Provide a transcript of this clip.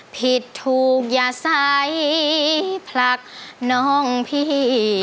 ผิดถูกอย่าใสผลักน้องพี่